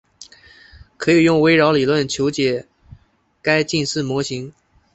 可以用微扰理论求解该近似模型。